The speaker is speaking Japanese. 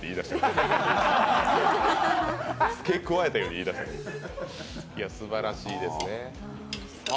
いや、すばらしいですね。